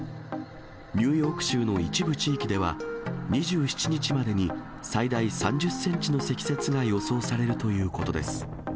ニューヨーク州の一部地域では、２７日までに最大３０センチの積雪が予想されるということです。